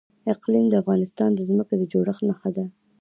اقلیم د افغانستان د ځمکې د جوړښت نښه ده.